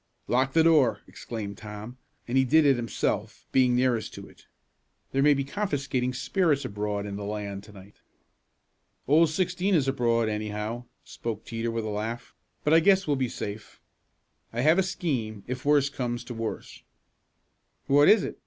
"Lock the door!" exclaimed Tom, and he did it himself, being nearest to it. "There may be confiscating spirits abroad in the land to night." "Old Sixteen is abroad, anyhow," spoke Teeter with a laugh, "but I guess we'll be safe. I have a scheme, if worst comes to worst." "What is it?"